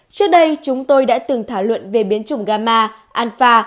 trước đây chúng tôi đã từng thảo luận về biến chủng gamma alpha